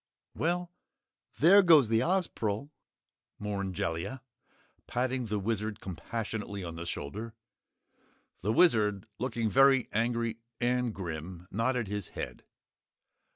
"Well there goes the Ozpril," mourned Jellia, patting the Wizard compassionately on the shoulder. The Wizard, looking very angry and grim, nodded his head.